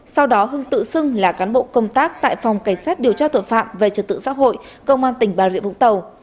sau đó hưng tự xưng là cán bộ công tác tại phòng cảnh sát điều tra tội phạm về trật tự xã hội công an tỉnh bà rịa vũng tàu